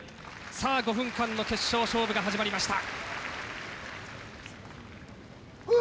「さあ５分間の決勝勝負が始まりました」。